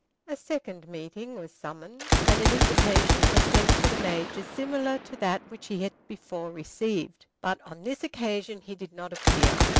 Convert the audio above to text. A second meeting was summoned, and an invitation was sent to the Major similar to that which he had before received; but on this occasion he did not appear.